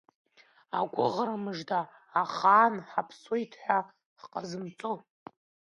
Агәыӷра мыжда, ахаан ҳаԥсуеит ҳәа ҳҟазымҵо…